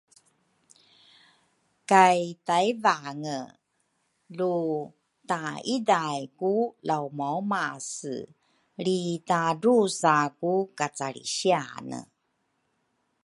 Kay Tayvange lu taiday ku laumaumase lri tadrusa ku kacalrisiane